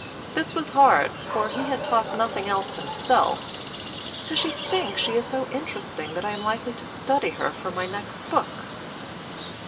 (This was hard, for he had talked nothing else himself.) "Does she think she is so interesting that I am likely to study her for my next book?"